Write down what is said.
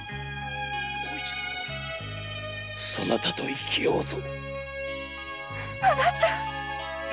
もう一度そなたと生きようぞ。